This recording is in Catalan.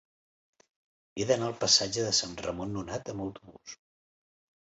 He d'anar al passatge de Sant Ramon Nonat amb autobús.